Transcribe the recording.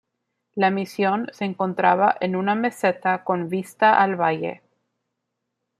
La misión se encontraba en una meseta con vista al Valle.